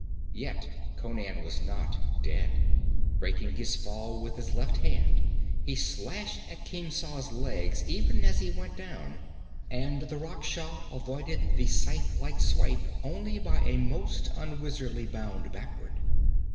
Yet Conan was not dead; breaking his fall with his left hand, he slashed at Khemsa's legs even as he went down, and the Rakhsha avoided the scythe like swipe only by a most unwizardly bound backward.